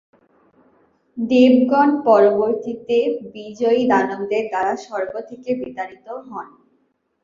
দেবগণ পরবর্তীতে বিজয়ী দানবদের দ্বারা স্বর্গ থেকে বিতাড়িত হন।